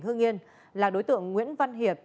hương yên là đối tượng nguyễn văn hiệp